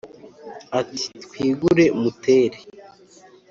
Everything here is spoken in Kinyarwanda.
Ati: twigure Muteri*,